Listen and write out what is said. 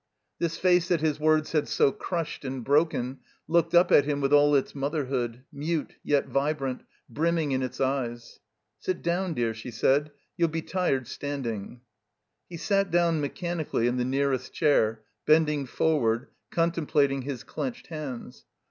This face that his words had so crushed and broken looked up at him with all its motherhood, mute yet vibrant, brimming in its eyes. "Sit down, dear," she said. "You'll be tired standing." He sat down, mechanically, in the nearest chair, bending forward, contemplating his clenched hands.